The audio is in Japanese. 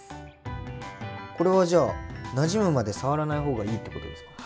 これはじゃあなじむまで触らない方がいいってことですか？